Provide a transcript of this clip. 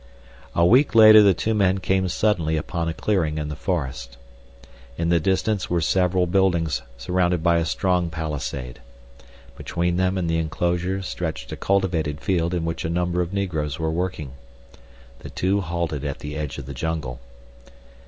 A week later the two men came suddenly upon a clearing in the forest. In the distance were several buildings surrounded by a strong palisade. Between them and the enclosure stretched a cultivated field in which a number of negroes were working. The two halted at the edge of the jungle.